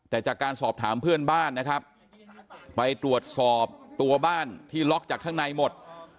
แต่จากการสอบถามเพื่อนบ้านนะครับไปตรวจสอบตัวบ้านที่ล็อกจากข้างในหมด